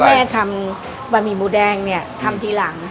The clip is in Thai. น่ะแม่ทำผักใหม่หมูแดงเนี่ยทำทีหลังหือ